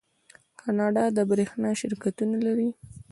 کاناډا د بریښنا شرکتونه لري.